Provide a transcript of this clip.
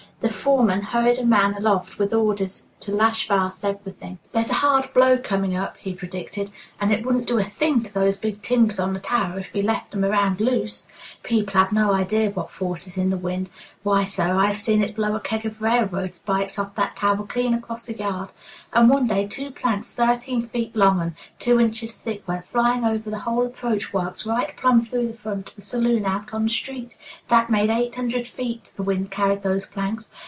The foreman hurried a man aloft with orders to lash fast everything. "There's a hard blow coming up," he predicted, "and it 'wouldn't do a thing' to those big timbers on the tower if we left 'em around loose! People have no idea what force is in the wind. Why, sir, I've seen it blow a keg of railroad spikes off that tower clean across the yard. And one day two planks thirteen feet long and two inches thick went flying over the whole approach works right plumb through the front of a saloon out on the street. That made eight hundred feet the wind carried those planks.